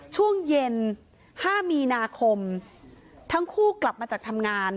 ช่วงเย็น๕มีนาคมทั้งคู่กลับมาจากทำงาน